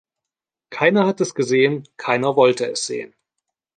Keiner hat es gesehen, keiner wollte es sehen.